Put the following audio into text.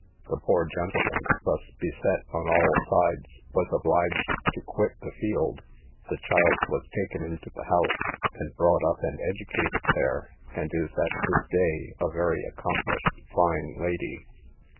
The poor gentleman, thus beset on all sides, was obliged to quit the field; the child was taken into the house, and brought up and educated there, and is at this day a very accomplished fine lady.